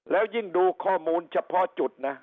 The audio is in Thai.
แล้วยิ่งดูข้อมูลเฉพาะจุดนะ